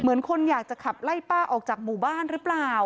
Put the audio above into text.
คนอยากจะขับไล่ป้าออกจากหมู่บ้านหรือเปล่า